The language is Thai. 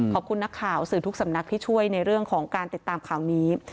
ขอบคุณนักข่าวสื่อทุกสำนักที่ช่วยในเรื่องของการติดตามข่าวนี้